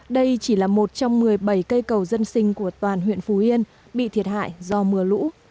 đây chỉ là một trong một mươi bảy cây cầu dân sinh của toàn huyện phú yên bị thiệt hại do mưa lũ